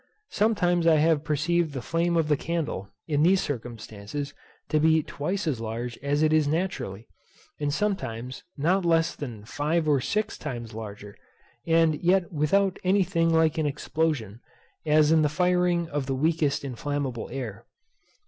Sometimes I have perceived the flame of the candle, in these circumstances, to be twice as large as it is naturally, and sometimes not less than five or six times larger; and yet without any thing like an explosion, as in the firing of the weakest inflammable air.